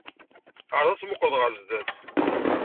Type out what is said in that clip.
Ɛreḍ ad temmuqqleḍ ɣer sdat.